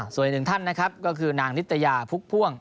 ส่วนอีกหนึ่งท่านนะครับก็คือนางนิตยาพุกพ่วง